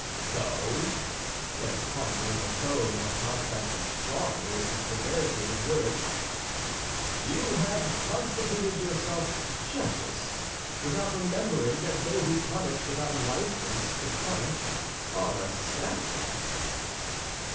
"So," said the cardinal, in a tone that contrasted strongly with the severity of his words, "you have constituted yourselves judges, without remembering that they who punish without license to punish are assassins?"